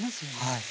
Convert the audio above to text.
はい。